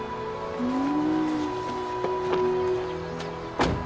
うん。